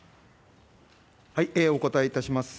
お答えいたします。